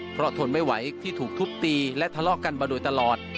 เพราะทนไม่ไหวที่ถูกทุบตีและทะเลาะกันมาโดยตลอด